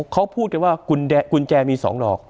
เขาพูดกันว่ากุญแจมี๒ดอก